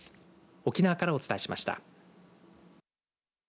沖縄からお伝えしました。